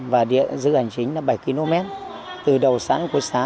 và dự hành chính là bảy km từ đầu xã đến cuối xã